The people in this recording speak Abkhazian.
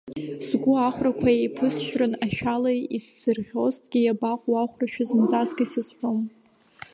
Сгәы ахәрақәа еиԥысшьрын, ашәала исзырӷьозҭгьы, иабаҟоу, ахәрашәа зынӡаск исызҳәом.